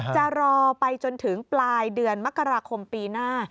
จะรอไปจนถึงปลายเดือนมกราคมปีหน้า